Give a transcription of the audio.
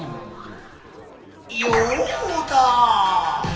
ヨウダ！